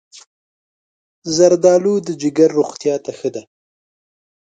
زردالو د جگر روغتیا ته ښه ده.